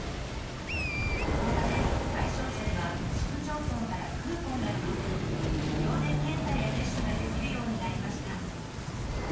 そのため対象者には市区町村からクーポンが届き無料で検査や接種ができるようになりました。